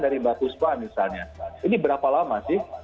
dari mbak puspa misalnya ini berapa lama sih